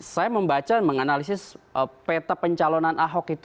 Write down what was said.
saya membaca menganalisis peta pencalonan ahok itu